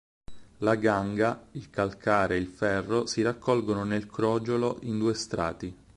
La ganga, il calcare e il ferro si raccolgono nel crogiolo in due strati.